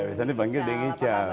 iya biasanya dipanggil daeng ica